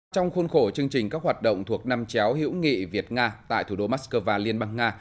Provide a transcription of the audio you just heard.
trong khuôn khổ chương trình các hoạt động thuộc năm chéo hữu nghị việt nga tại thủ đô moscow liên bang nga